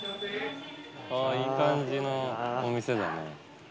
「いい感じのお店だね」